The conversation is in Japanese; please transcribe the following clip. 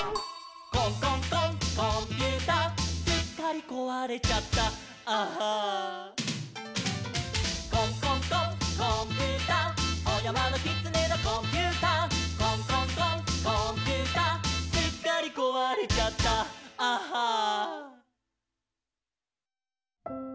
「コンコンコンコンピューター」「すっかりこわれちゃった」「ＡＨＨＡ」「コンコンコンコンーピューター」「おやまのきつねのコンピューター」「コンコンコンコンーピューター」「すっかりこわれちゃった」「ＡＨＨＡ」